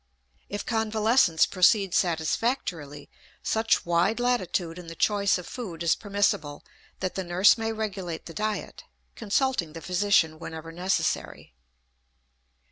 If convalescence proceeds satisfactorily such wide latitude in the choice of food is permissible that the nurse may regulate the diet, consulting the physician whenever necessary.